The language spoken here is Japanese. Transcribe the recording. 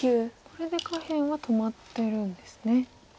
これで下辺は止まってるんですね。